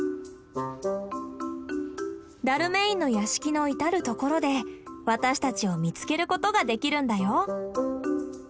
ダルメインの屋敷の至る所で私たちを見つけることができるんだよ。